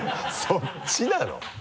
そっちなの？